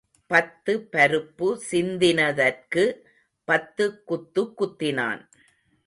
பத்து பருப்பு சிந்தினதற்கு பத்து குத்து குத்தினான்.